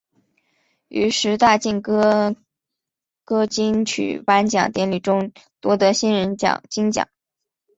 于十大劲歌金曲颁奖典礼中夺得新人奖金奖。